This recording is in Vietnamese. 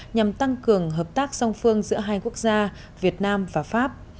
nhằm tăng cường hợp tác song phương giữa hai quốc gia việt nam và pháp